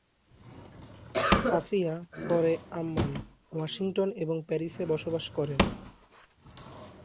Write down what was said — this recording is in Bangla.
সাফিয়া পরে আম্মান, ওয়াশিংটন এবং প্যারিসে বসবাস করেন।